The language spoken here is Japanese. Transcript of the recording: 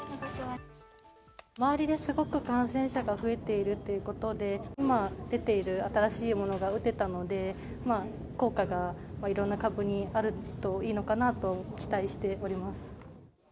周りですごく感染者が増えているっていうことで、今出ている新しいものが打てたので、効果がいろんな株にあるといいのかなと期待しております。